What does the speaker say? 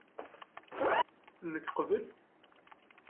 Nekk qeble?.